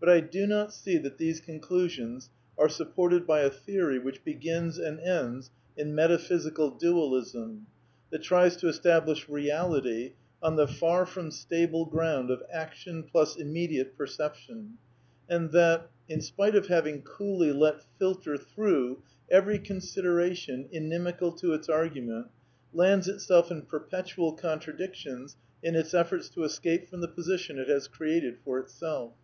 But I do not see that these con clusions are supported by a theory which begi ns and end s inmetaphjBicaljlualifliafJBg^^ OTTTEe^f ar from stable ground of action plus immediate perception, and that, in spite of having coolly let ^' filter through" every consideration inimical to its argument, lands itself in perpetual contradictions in its efforts to escape from the position it has created for itself.